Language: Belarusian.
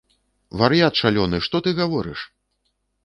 Вар'ят шалёны, што ты гаворыш?